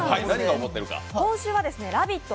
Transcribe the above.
今週は「ラヴィット！